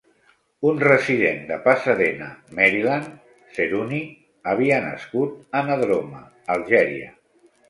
Un resident de Pasadena, Maryland, Zerhouni havia nascut a Nedroma, Algèria.